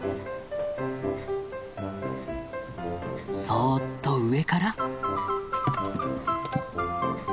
そっと上から。